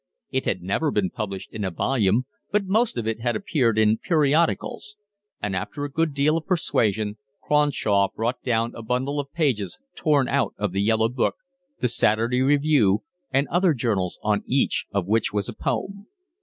It had never been published in a volume, but most of it had appeared in periodicals; and after a good deal of persuasion Cronshaw brought down a bundle of pages torn out of The Yellow Book, The Saturday Review, and other journals, on each of which was a poem.